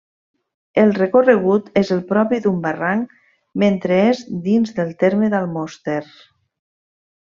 El recorregut és el propi d'un barranc mentre és dins del terme d'Almoster.